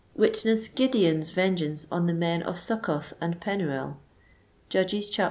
Witness Gideon's ven* geance on the men of Succoth and Penuel ; (Judges viii.